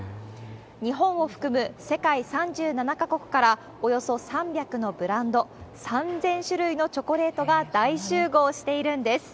日本を含む世界３７か国からおよそ３００のブランド、３０００種類のチョコレートが大集合しているんです。